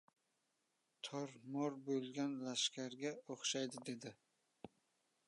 "Tor-mor bo‘lgan lashkarga o‘xshaydi", dedi.